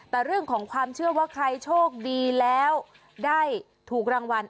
แต่เรื่องของความเชื่อว่าใครโชคดีแล้วได้ถูกรางวัล